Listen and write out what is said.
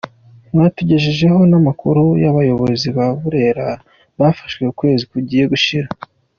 Mwatugejejeho n’amakuru y’abayobozi ba Burera bafashwe ukwezi kugiye gushira.